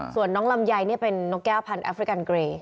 ส่วนน้องลำไยเป็นนกแก้วพันธแอฟริกันเกร